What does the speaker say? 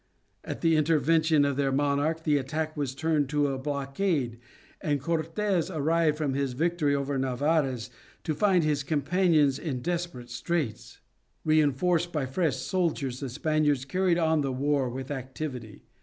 At the intervention of their monarch the attack was turned to a blockade and Cortes arrived from his victory over Narvaez to find his companions in desperate straits. Reinforced by fresh soldiers the Spaniards carried on the war with activity.